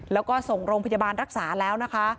แล้วก็ส่งโรงพยาบาลรักษาแล้วนะคะ